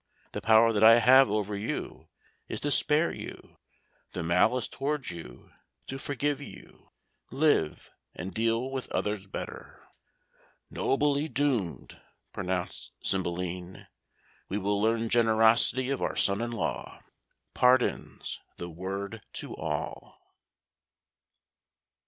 "The power that I have over you is to spare you; the malice towards you, to forgive you; live, and deal with others better." "Nobly doomed!" pronounced Cymbeline. "We will learn generosity of our son in law. Pardon's the word to all."